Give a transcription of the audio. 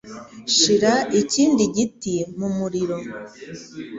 Shira ikindi giti mumuriro.